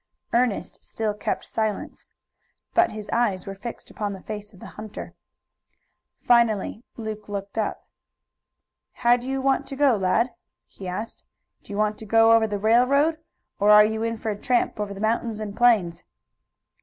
Ernest still kept silence, but his eyes were fixed upon the face of the hunter. Finally Luke looked up. "How do you want to go, lad?" he asked. "Do you want to go over the railroad, or are you in for a tramp over the mountains and plains?"